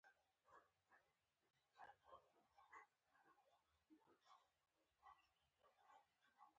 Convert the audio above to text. دلته د ټول متن څخه را ایستل شوي جملې دي: